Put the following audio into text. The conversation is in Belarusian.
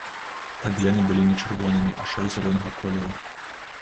Тады яны былі не чырвонымі, а шэра-зялёнага колеру.